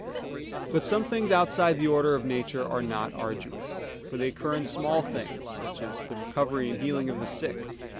But some things outside the order of nature are not arduous; for they occur in small things, such as the recovery and healing of the sick.